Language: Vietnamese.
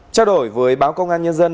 trao đổi với báo công an nhân dân